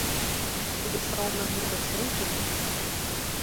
Тиде сылне муро семже